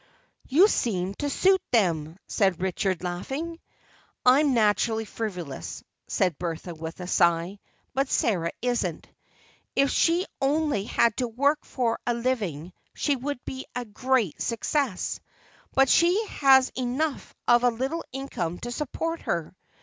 "You seem to suit them," said Richard, laughing. "I'm naturally frivolous," said Bertha with a sigh, "but Sarah isn't. If she only had to work for a living she would be a great success, but she has enough of a little income to support her.